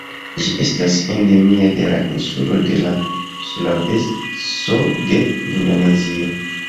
Ĝi estas endemia de la insulo de Sulaveso de Indonezio.